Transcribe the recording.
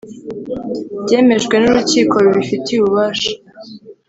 Byemejwe n urukiko rubifitiye ububasha